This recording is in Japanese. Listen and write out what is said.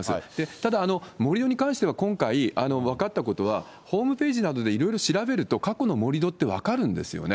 ただ盛り土に関しては、今回、分かったことは、ホームページなどでいろいろ調べると、過去の盛り土って分かるんですよね。